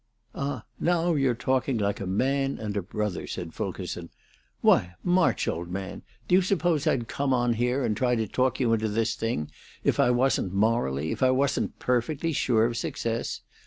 "Ah, now you're talking like a man and a brother," said Fulkerson. "Why, March, old man, do you suppose I'd come on here and try to talk you into this thing if I wasn't morally, if I wasn't perfectly, sure of success?